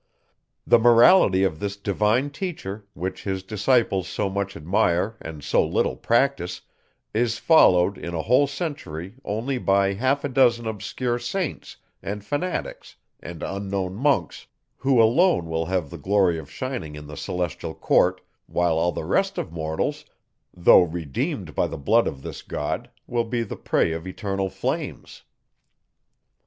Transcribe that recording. The Morality of this divine Teacher, which his disciples so much admire and so little practise, is followed, in a whole century only by half a dozen obscure saints, and fanatics, and unknown monks, who alone will have the glory of shining in the celestial court, while all the rest of mortals, though redeemed by the blood of this God, will be the prey of eternal flames.